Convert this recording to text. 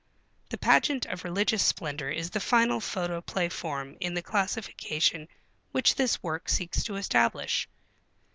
The pageant of Religious Splendor is the final photoplay form in the classification which this work seeks to establish.